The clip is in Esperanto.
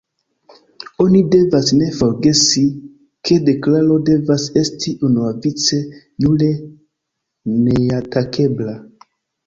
Oni devas ne forgesi, ke deklaro devas esti unuavice jure neatakebla.